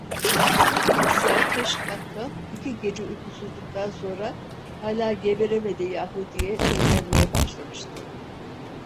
Esrarkeş bakkal iki gece uykusuzluktan sonra: "Hala geberemedi yahu!" diye söylenmeye başlamıştı.